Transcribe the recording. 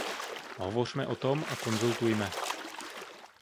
Hovořme o tom a konzultujme.